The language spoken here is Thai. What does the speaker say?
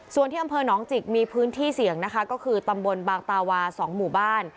ส่วนที่อำเภอหนองจิกมีพื้นที่เสี่ยงนะคะก็คือตำบลบางตาวา๒หมู่บ้าน